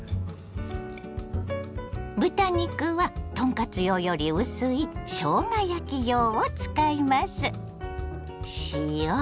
豚肉は豚カツ用より薄いしょうが焼き用を使います。